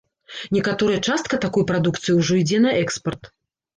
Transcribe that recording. Некаторая частка такой прадукцыі ўжо ідзе на экспарт.